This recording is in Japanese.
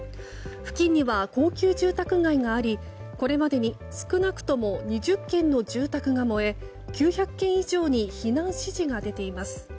付近には高級住宅街がありこれまでに少なくとも２０軒の住宅が燃え９００軒以上に避難指示が出ています。